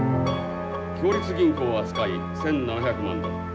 共立銀行扱い１，７００万ドル駿